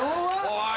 おい。